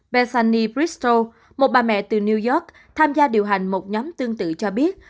bethany bristol một bà mẹ từ new york tham gia điều hành một nhóm tương tự cho biết